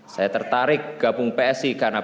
saya tertarik gabung psi karena